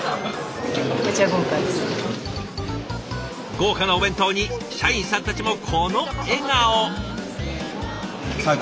豪華なお弁当に社員さんたちもこの笑顔。